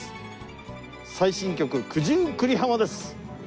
最新曲『九十九里浜』です。